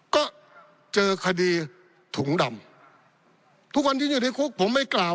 ก็เจอคดีถุงดำทุกวันที่อยู่ในคุกผมไม่กล่าว